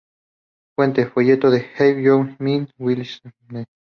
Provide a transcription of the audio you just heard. Fuente: Folleto de "Have You in My Wilderness".